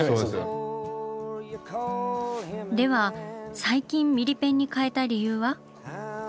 では最近ミリペンに変えた理由は？